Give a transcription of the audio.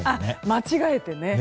間違えてね。